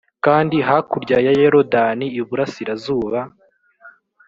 kandi hakurya ya yorodani iburasirazuba